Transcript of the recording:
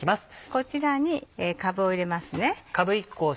こちらにかぶを入れますね。